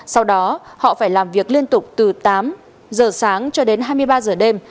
sau đó họ phải làm việc liên tục từ tám giờ sáng cho đến hai mươi ba giờ đêm